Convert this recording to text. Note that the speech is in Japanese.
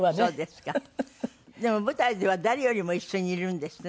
でも舞台では誰よりも一緒にいるんですって？